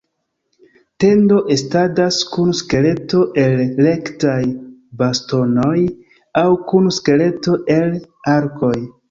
Tendo estadas kun skeleto el rektaj bastonoj aŭ kun skeleto el arkoj.